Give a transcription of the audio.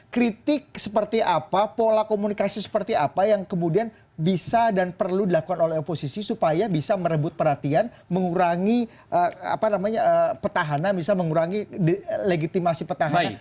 kritik seperti apa pola komunikasi seperti apa yang kemudian bisa dan perlu dilakukan oleh oposisi supaya bisa merebut perhatian mengurangi petahana bisa mengurangi legitimasi petahana